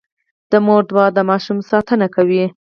د مور دعا د ماشوم ساتنه کوي.